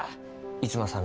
逸馬さん